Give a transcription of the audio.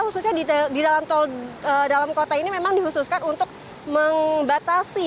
khususnya di dalam tol dalam kota ini memang dihususkan untuk membatasi